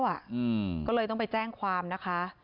พยาบาลไปแล้วอ่ะก็เลยต้องไปแจ้งความนะคะ